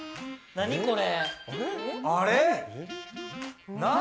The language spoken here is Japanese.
何これ？